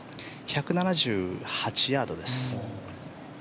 １７８ヤードです。